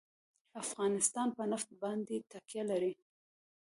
افغانستان په نفت باندې تکیه لري.